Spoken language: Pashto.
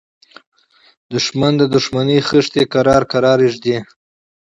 دښمن د دښمنۍ خښتې آهسته آهسته ږدي